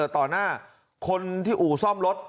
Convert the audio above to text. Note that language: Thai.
ต่อหน้าคนที่อู่ซ่อมรถ